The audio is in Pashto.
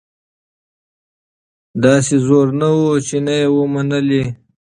داسي زور نه وو چي نه یې وي منلي